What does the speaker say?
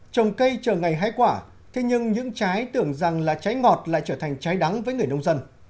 trồng cây chờ ngày hái quả thế nhưng những trái tưởng rằng là trái ngọt lại trở thành trái đắng với người nông dân